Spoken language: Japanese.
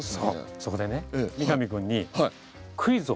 そこでね三上君にクイズを。